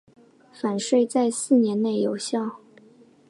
返税在四年内有效。